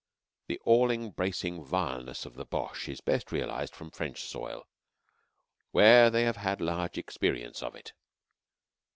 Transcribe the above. The all embracing vileness of the Boche is best realized from French soil, where they have had large experience of it.